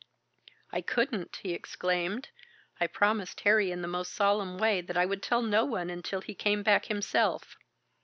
"I couldn't!" he exclaimed. "I promised Harry in the most solemn way that I would tell no one until he came back himself.